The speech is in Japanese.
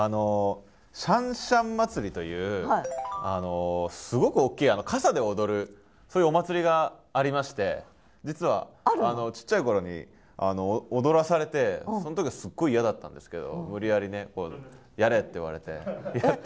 しゃんしゃん祭というすごく大きい傘で踊るそういうお祭りがありまして実はちっちゃい頃に踊らされてその時はすっごい嫌だったんですけど無理やりねやれって言われてやって。